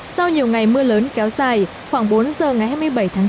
sau nhiều ngày mưa lớn kéo dài khoảng bốn giờ ngày hai mươi bảy tháng sáu